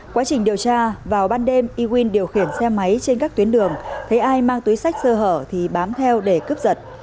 quá trình điều tra vào ban đêm y nguyên điều khiển xe máy trên các tuyến đường thấy ai mang túi sách sơ hở thì bám theo để cướp giật